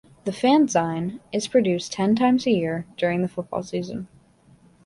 The fanzine is produced ten times a year during the football season.